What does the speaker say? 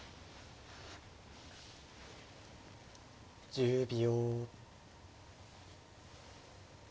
１０秒。